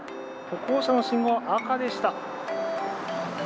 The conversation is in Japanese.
歩行者の信号は赤でした。